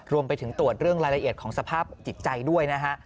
รวมไปถึงตรวจเรื่องรายละเอียดของสภาพจิตใจด้วยนะฮะ